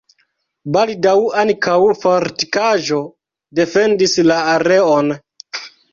Baldaŭ ankaŭ fortikaĵo defendis la areon.